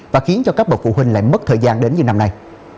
và khiến cho các bậc phụ huynh lại mất thời gian đến như năm nay